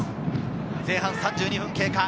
前半３２分経過。